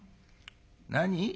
何？